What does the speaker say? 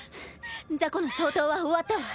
ザコの掃討は終わったわ。